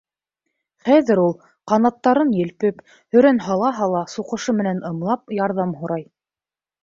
Хәҙер ул, ҡанаттарын елпеп, һөрән һала-һала, суҡышы менән ымлап, ярҙам һорай.